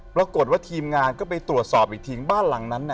ปรากฏว่าทีมงานก็ไปตรวจสอบอีกทีบ้านหลังนั้นน่ะ